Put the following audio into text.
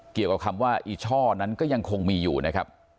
เกี่ยวกับคำว่าอีช่อนั้นก็ยังคงมีอยู่นะครับ